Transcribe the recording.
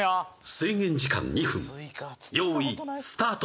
制限時間２分よーいスタート